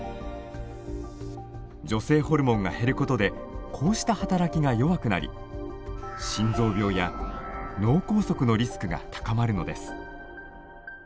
女性ホルモンが減ることでこうした働きが弱くなり心臓病や脳梗塞のリスクが高まるのです。